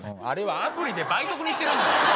あれはアプリで倍速にしてるんだよ